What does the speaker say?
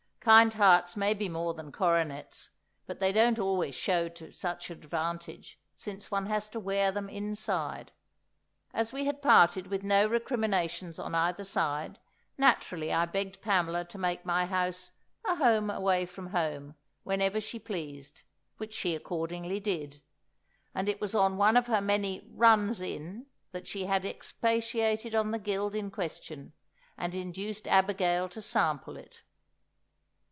Kind hearts may be more than coronets, but they don't always show to such advantage, since one has to wear them inside. As we had parted with no recriminations on either side, naturally I begged Pamela to make my house "a home away from home" whenever she pleased, which she accordingly did; and it was on one of her many "runs in" that she had expatiated on the Guild in question, and induced Abigail to sample it.